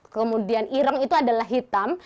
kemudian ireng itu adalah hitam